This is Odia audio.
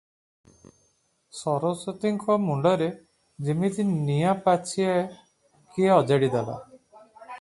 ସରସ୍ୱତୀଙ୍କ ମୁଣ୍ଡରେ ଯିମିତି ନିଆଁ ପାଛିଆଏ କିଏ ଅଜାଡ଼ି ଦେଲା ।